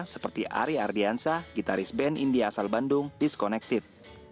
seperti ari ardiansah gitaris band india asal bandung disconnected